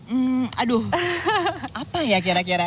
hmm aduh apa ya kira kira